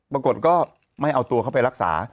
ปรากฏก็ไม่เอาตัวเขาไปรักษา